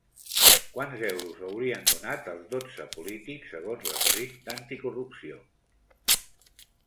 Quants euros haurien donat els dotze polítics segons l'escrit d'Anticorrupció?